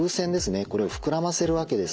これを膨らませるわけです。